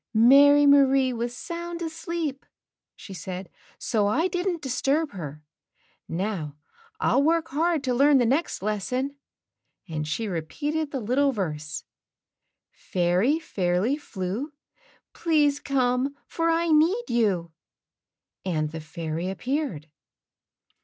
"Mary Marie was sound asleep," she said, "so I didn't disturb her. Now I'll work hard to learn the next lesson," and she repeated the little verse, "Fairy Fairly Flew, Please come, for I need you;" and the fairy appeared.